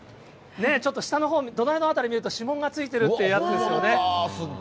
ちょっと下のほう、土台のほう見てみると、指紋がついてるってやつですよね。